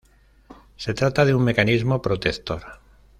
Se trata de un mecanismo protector.